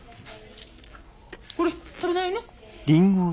これ食べないの？